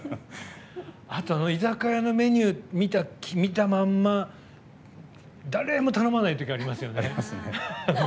居酒屋のメニュー見たまんま誰も頼まない時ありますよね。